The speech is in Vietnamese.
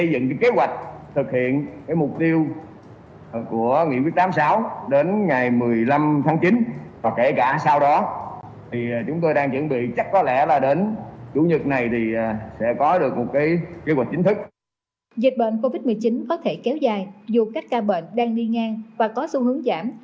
dịch bệnh covid một mươi chín có thể kéo dài dù các ca bệnh đang đi ngang và có xu hướng giảm